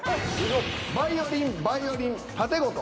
「バイオリン」「バイオリン」「たてごと」